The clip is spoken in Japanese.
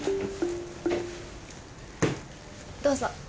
どうぞ。